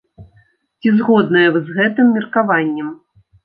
Ці згодныя вы з гэтым меркаваннем?